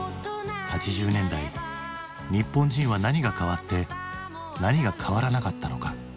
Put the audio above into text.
８０年代日本人は何が変わって何が変わらなかったのか？